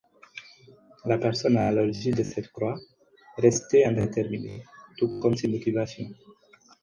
La personne à l'origine de cette croix restait indéterminée, tout comme ses motivations.